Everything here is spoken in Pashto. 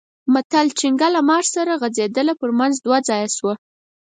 متل؛ چينګه له مار سره غځېده؛ پر منځ دوه ځايه شوه.